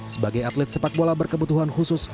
sebagai atlet sepak bola berkebutuhan khusus